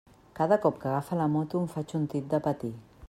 Cada cop que agafa la moto em faig un tip de patir.